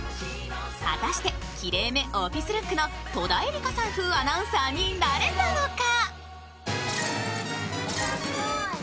果たして、きれいめオフィスルックの戸田恵梨香さん風アナウンサーになれたのか。